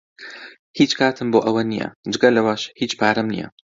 هیچ کاتم بۆ ئەوە نییە، جگە لەوەش، هیچ پارەم نییە.